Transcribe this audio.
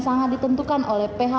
sangat ditentukan oleh pemerintah